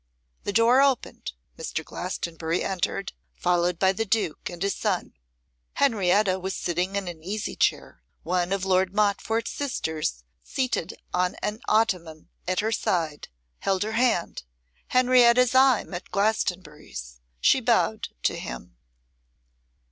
The door opened. Mr. Glastonbury entered, followed by the duke and his son. Henrietta was sitting in an easy chair, one of Lord Montfort's sisters, seated on an ottoman at her side, held her hand. Henrietta's eye met Glastonbury's; she bowed to him.